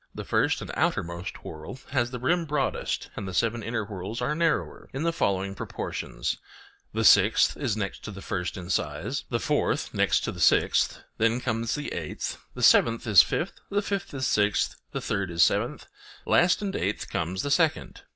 The first and outermost whorl has the rim broadest, and the seven inner whorls are narrower, in the following proportions—the sixth is next to the first in size, the fourth next to the sixth; then comes the eighth; the seventh is fifth, the fifth is sixth, the third is seventh, last and eighth comes the second.